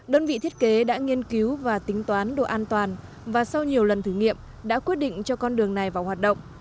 đơn vị thiết kế đã nghiên cứu và tính toán độ an toàn và sau nhiều lần thử nghiệm đã quyết định cho con đường này vào hoạt động